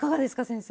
先生。